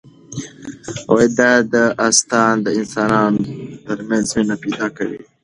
دا داستان د انسانانو ترمنځ مینه پیدا کوي.